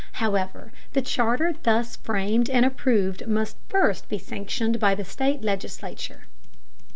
However, the charter thus framed and approved must first be sanctioned by the state legislature.